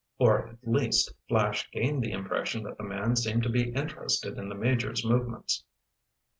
Or at least, Flash gained the impression that the man seemed to be interested in the Major's movements.